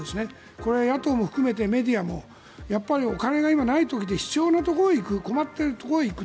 これは野党も含めてメディアもお金が今ない時で必要なところへ行く困っているところへ行く。